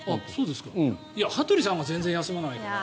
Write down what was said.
羽鳥さんが全然休まないから。